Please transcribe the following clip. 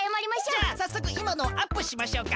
じゃあさっそくいまのをアップしましょうか。